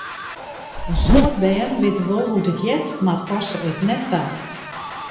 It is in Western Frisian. In soad bern witte wol hoe't it heart, mar passe it net ta.